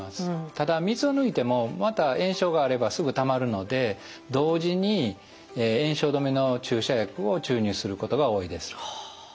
ただ水を抜いてもまた炎症があればすぐたまるので同時に炎症止めの注射薬を注入することが多いです。